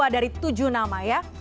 dua dari tujuh nama ya